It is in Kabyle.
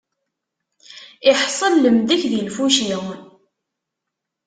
Iḥṣel lemdek di lfuci.